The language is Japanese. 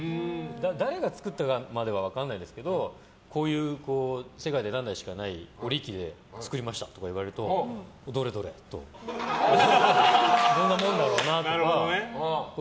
誰が作ったかまでは分からないですけど世界で何台しかない織り機で作りましたとか聞くとどれどれと。どんなもんだろうなと。